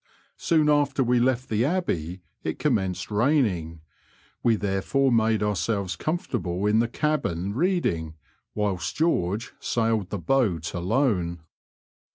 Soon after we left the Abbey it commenced raining ; we therefore made ourselves comfortable in the cabin reading, whilst George sailed the boat alone.